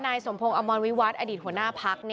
นายสมพงศ์อมรวิวัตรอดีตหัวหน้าพัก